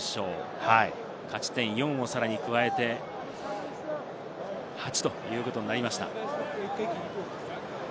勝ち点４をさらに加えて、８ということになりました。